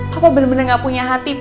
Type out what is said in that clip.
papa bener bener gak punya hati